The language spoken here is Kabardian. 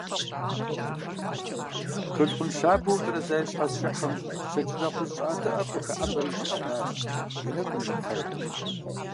Толъкъун щабэу утӀэрэза и щхьэц кӀыхьым пщэдджыжь акъужь щӀыӀэтыӀэр къыхэӀэбэри зэщӀиӀэтащ, и нэкӀум ирипхъэжу.